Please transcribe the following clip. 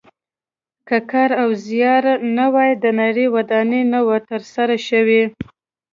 که کار او زیار نه وای د نړۍ ودانۍ نه وه تر سره شوې.